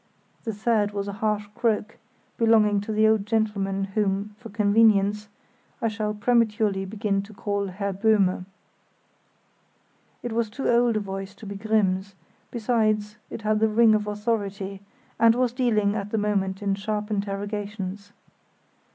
The third was a harsh croak, belonging to the old gentleman whom, for convenience, I shall prematurely begin to call Herr Böhme. It was too old a voice to be Grimm's; besides, it had the ring of authority, and was dealing at the moment in sharp interrogations.